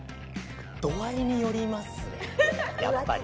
度合いによりますねやっぱり。